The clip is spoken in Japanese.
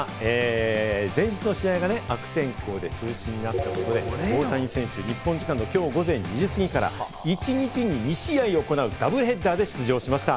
前日の試合がね、悪天候で中止になったことで大谷選手、日本時間のきょう午前２時過ぎから、一日に２試合を行うダブルヘッダーで出場しました。